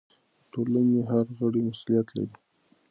د ټولنې هر غړی مسؤلیت لري.